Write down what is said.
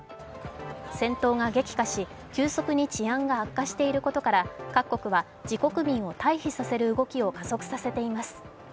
戦闘が激化し急速に治安が悪化していることから各国は自国民を退避させる動きを加速させています。